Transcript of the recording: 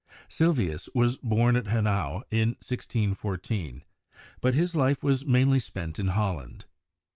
Sylvius was born at Hanau in 1614, but his life was mainly spent in Holland.